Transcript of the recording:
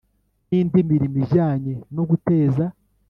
N indi mirimo ijyanye no guteza